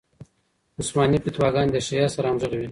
عثماني فتواګانې د شیعه سره همغږې وې.